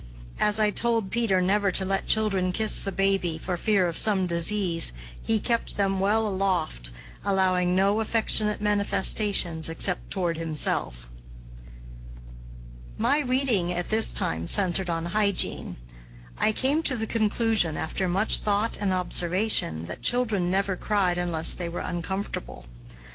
As I told Peter never to let children kiss the baby, for fear of some disease, he kept him well aloft, allowing no affectionate manifestations except toward himself. My reading, at this time, centered on hygiene. I came to the conclusion, after much thought and observation, that children never cried unless they were uncomfortable.